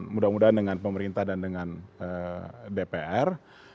mudah mudahan dengan pemerintah dan dengan dpr